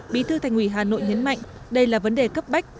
bí thư thành ủy hà nội nhấn mạnh đây là vấn đề cấp bách